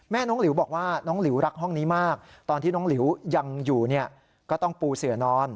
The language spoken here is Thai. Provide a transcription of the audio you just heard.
น้องหลิวบอกว่าน้องหลิวรักห้องนี้มากตอนที่น้องหลิวยังอยู่เนี่ยก็ต้องปูเสือนอน